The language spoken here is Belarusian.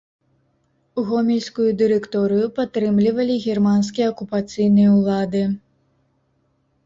Гомельскую дырэкторыю падтрымлівалі германскія акупацыйныя ўлады.